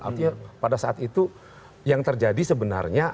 artinya pada saat itu yang terjadi sebenarnya